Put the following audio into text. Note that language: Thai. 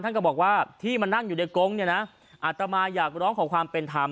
ก็บอกว่าที่มานั่งอยู่ในกงเนี่ยนะอาตมาอยากร้องขอความเป็นธรรม